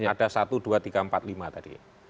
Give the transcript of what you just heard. ada satu dua tiga empat lima tadi